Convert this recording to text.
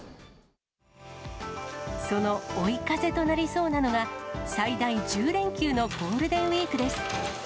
その追い風となりそうなのが、最大１０連休のゴールデンウィークです。